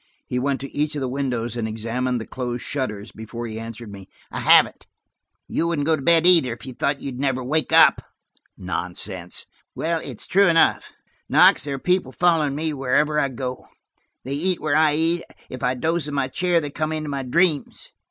He went to each of the windows and examined the closed shutters before he answered me. "I haven't. You wouldn't go to bed either; if you thought you would never wake up." "Nonsense." "Well, it's true enough. Knox, there are people following me wherever I go; they eat where I eat; if I doze in my chair they come into my dreams!"